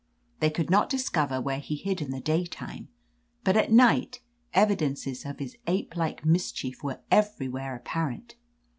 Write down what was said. They could not discover where he hid in the day time, but at night evidences of his ape like mischief were everywhere apparent.